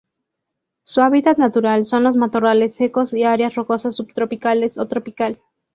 Su hábitat natural son los matorrales secos y áreas rocosas subtropicales o tropical.